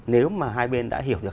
nếu mà hai bên đã hiểu được